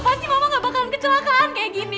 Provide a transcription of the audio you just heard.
pasti mama gak bakalan kecelakaan kayak gini